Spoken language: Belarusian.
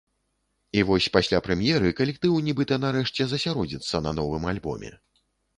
І вось пасля прэм'еры калектыў нібыта нарэшце засяродзіцца на новым альбоме.